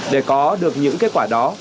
để có được những kết quả đó